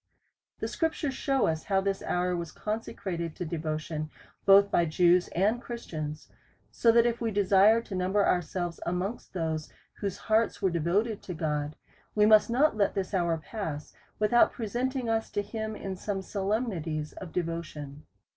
The scriptures shew us how this hour was conse crated to devotion, both by Jews and Christians: so that if we desire to number ourselves amongst those whose hearts were devoted unto God, we must not let this hour pass without presenting us to him in some solemnities of devotion.